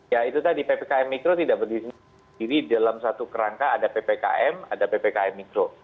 ya itu tadi ppkm mikro tidak berdiri sendiri dalam satu kerangka ada ppkm ada ppkm mikro